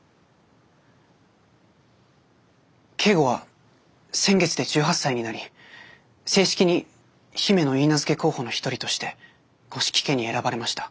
京吾は先月で１８歳になり正式に姫のいいなずけ候補の一人として五色家に選ばれました。